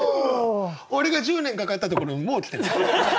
俺が１０年かかったところにもう来てんだ。